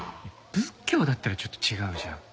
仏教だったらちょっと違うじゃん。